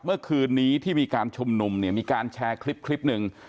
เมื่อคืนนี้ที่มีการชุมนุมเนี่ยมีการแชร์คลิปหนึ่ง